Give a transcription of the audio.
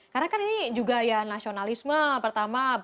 karena kan ini juga ya nasionalisme pertama kebanyakan seperti itu